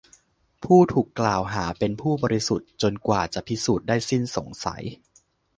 ผู้ถูกกล่าวหาเป็นผู้บริสุทธิ์จนกว่าจะพิสูจน์ได้สิ้นสงสัย